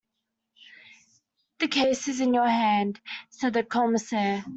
"The case is in your hands," said the Commissaire.